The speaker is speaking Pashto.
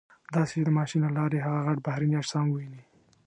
داسې چې د ماشین له لارې هغه غټ بهرني اجسام وویني.